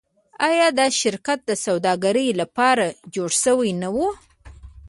آیا دا شرکت د سوداګرۍ لپاره جوړ شوی نه و؟